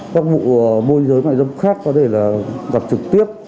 các vụ mua dưới mại dâm khác có thể là gặp trực tiếp